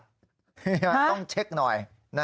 นี่ต้องเช็คหน่อย